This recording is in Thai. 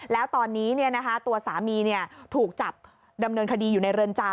แล้วตอนนี้ตัวสามีถูกจับดำเนินคดีอยู่ในเรือนจำ